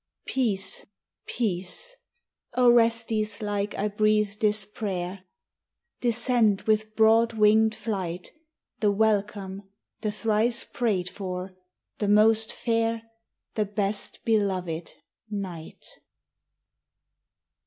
Peace! Peace! Orestes like I breathe this prayer! Descend with broad winged flight, The welcome, the thrice prayed for, the most fair, The best beloved Night!